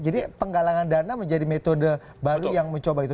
jadi penggalangan dana menjadi metode baru yang mencoba itu